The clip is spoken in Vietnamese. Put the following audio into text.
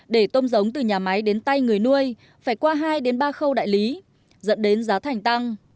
để tôm giống từ nhà máy đến tay người nuôi phải qua hai ba khâu đại lý dẫn đến giá thành tăng